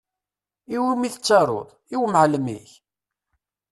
I wumi i tettaruḍ? I wumɛalem-ik?